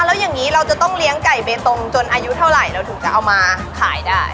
แล้วอย่างนี้เราจะต้องเลี้ยงไก่เบตงจนอายุเท่าไหร่เราถึงจะเอามาขายได้